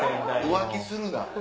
浮気するな！